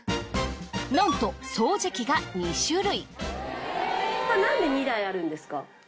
なんと掃除機が２種類。